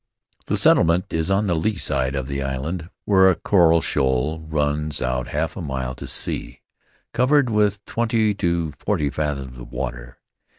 "The settlement is on the lee side of the island, where a coral shoal runs out half a mile to sea, covered with twenty to forty fathoms of water.